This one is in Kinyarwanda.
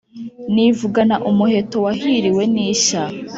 Nivugana umuheto wahiriwe n’ishya